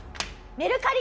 メルカリ？